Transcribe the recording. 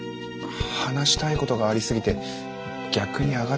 話したいことがありすぎて逆にあがっちゃったんですかね。